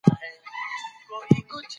که تعلیم ژور وي، معلومات سطحي نه پاته کېږي.